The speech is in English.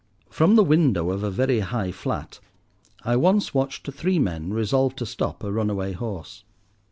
From the window of a very high flat I once watched three men, resolved to stop a runaway horse.